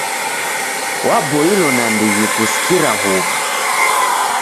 Waboilo nandighi kusikira huw'o.